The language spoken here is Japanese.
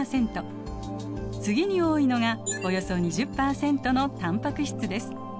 次に多いのがおよそ２０％のタンパク質です。